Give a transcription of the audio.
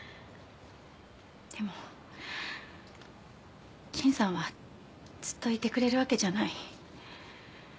でも陳さんはずっといてくれるわけじゃない。